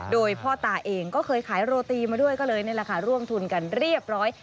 โดยพ่อตาเองก็เคยขายโรตีมาด้วยก็เลยนี่แหละค่ะร่วมทุนกันเรียบร้อย